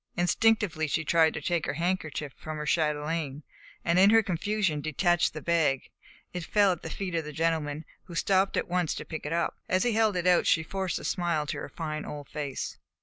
Instinctively she tried to take her handkerchief from her chatelaine, and in her confusion detached the bag. It fell at the feet of the gentleman, who stooped at once to pick it up. As he held it out, she forced a smile to her fine old face.